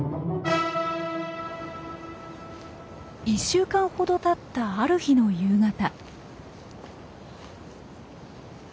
１週間ほどたったある日の夕方。